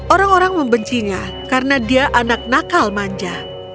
orang orang membencinya karena dia anak nakal manja